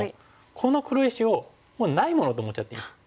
この黒石をもうないものと思っちゃっていいです。